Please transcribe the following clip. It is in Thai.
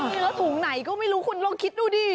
นี่แล้วถุงไหนก็ไม่รู้คุณลองคิดดูดิ